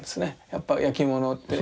やっぱ焼き物って。